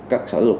các cơ sở dục